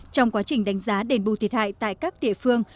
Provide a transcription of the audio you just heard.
trong quá trình đánh giá đền bù thiệt hại tại các địa phương